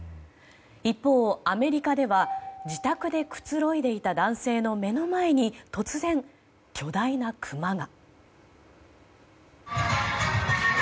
一方、アメリカでは自宅でくつろいでいた男性の目の前に突然、巨大なクマが。